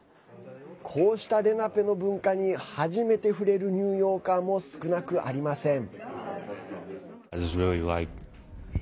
こうしたレナペの文化に初めて触れるニューヨーカーも少なくありません。